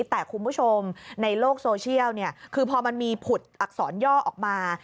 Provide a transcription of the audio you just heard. แต่คุณผู้ชมในโลกโซเชียลคือพอมันมีผุดอักษรย่อออกมา